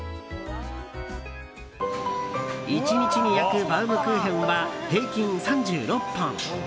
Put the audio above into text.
１日に焼くバウムクーヘンは平均３６本。